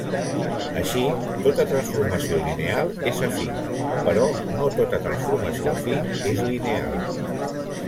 Així, tota transformació lineal és afí, però no tota transformació afí és lineal.